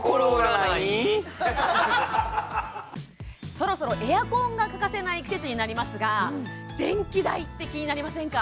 そろそろエアコンが欠かせない季節になりますが電気代って気になりませんか？